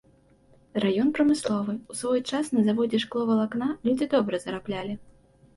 Раён прамысловы, у свой час на заводзе шкловалакна людзі добра зараблялі.